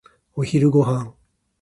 お昼ご飯。